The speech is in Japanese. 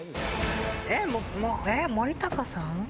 えっ？え森高さん？